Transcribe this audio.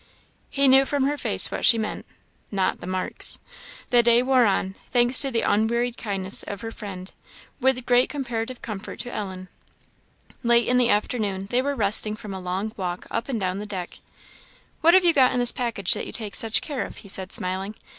He knew from her face what she meant not the marks. The day wore on, thanks to the unwearied kindness of her friend, with great comparative comfort to Ellen. Late in the afternoon they were resting from a long walk up and down the deck. "What have you got in this package that you take such care of?" said he, smiling.